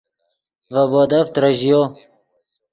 ڤے بودف ترژیو